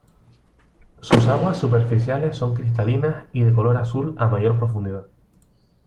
Sus aguas superficiales son cristalinas y de color azul a mayor profundidad.